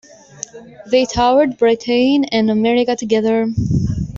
They toured Britain and America together.